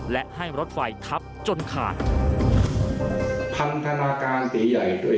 และให้รถไฟทับจนขาด